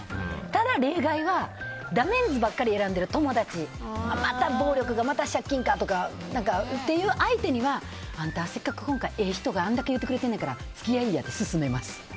ただ例外はダメンズばっかり選んでる友達また暴力か、また借金かっていう相手にはあんた、せっかくええ人があんだけ言ってくれるんだから付き合いやって言っちゃいます。